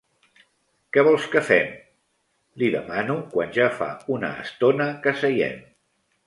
Què vols que fem? —li demano quan ja fa una estona que seiem.